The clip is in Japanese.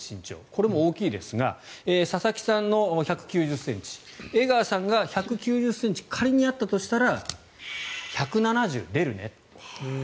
これも大きいですが佐々木さんは１９０ｃｍ江川さんが１９０ｃｍ仮にあったとしたら出るね。